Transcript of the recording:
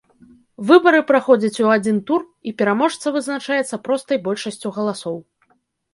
Выбары праходзяць у адзін тур і пераможца вызначаецца простай большасцю галасоў.